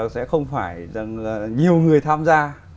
sẽ không phải rằng là nhiều người tham gia